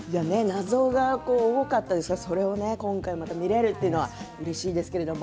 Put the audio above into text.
謎が多かったですが今回また見られるというのがうれしいですけれど。